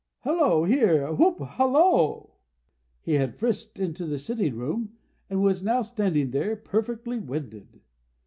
Hallo here! Whoop! Hallo!" He had frisked into the sitting room, and was now standing there, perfectly winded.